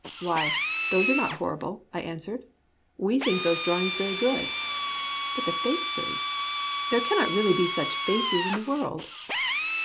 " Why, those are not horrible," I answered. " We think those drawings very good." " But the faces ! There cannot really be such faces in the world."